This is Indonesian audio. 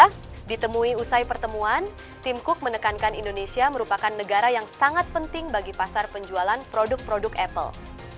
setelah ditemui usai pertemuan tim cook menekankan indonesia merupakan negara yang sangat penting bagi pasar penjualan produk produk apple